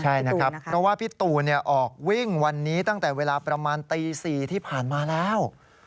ใช่นะครับเพราะว่าพี่ตูนออกวิ่งวันนี้ตั้งแต่เวลาประมาณตี๔ที่ผ่านมาแล้ว